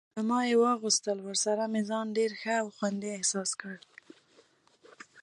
په ما یې واغوستل، ورسره مې ځان ډېر ښه او خوندي احساس کړ.